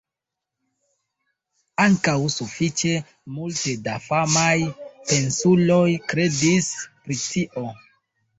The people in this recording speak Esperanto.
Ankaŭ sufiĉe multe da famaj pensuloj kredis pri tio.